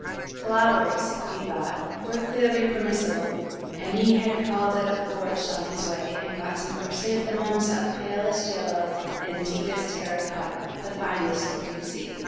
Flowers, he thought, were clearly permissible, and he had called at a florist's on his way and got some chrysanthemums of palest yellow and deepest terra cotta, the finest he could see.